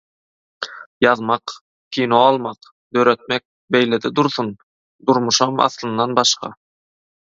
Ýazmak, kino almak, döretmek beýlede dursun, durmuşam aslyndan başga.